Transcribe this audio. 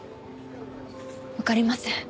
わかりません。